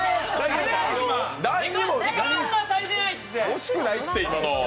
惜しくないって、今の。